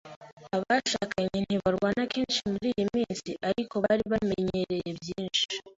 Abashakanye ntibarwana kenshi muriyi minsi, ariko bari bamenyereye byinshi.